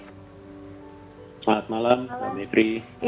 selamat malam mbak mipri